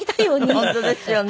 本当ですよね。